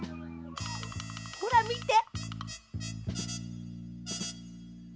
ほらみて！